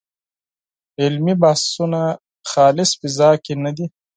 علمي بحثونه خالصه فضا کې نه دي.